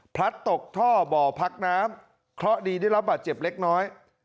พลัดตกท่อบ่อพักน้ำเคราะห์ดีได้รับบาดเจ็บเล็กน้อย